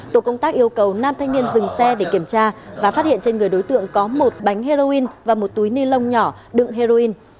tổ công tác yêu cầu nam thanh niên dừng xe để kiểm tra và phát hiện trên người đối tượng có một bánh heroin và một túi ni lông nhỏ đựng heroin